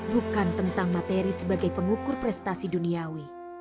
bukan tentang materi sebagai pengukur prestasi duniawi